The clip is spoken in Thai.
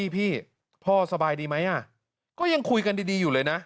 พี่พ่อสบายดีไหมก็ยังคุยกันดีอยู่เลยนะ